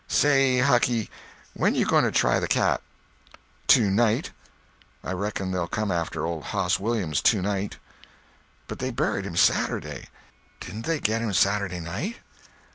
"Say, Hucky, when you going to try the cat?" "To night. I reckon they'll come after old Hoss Williams to night." "But they buried him Saturday. Didn't they get him Saturday night?"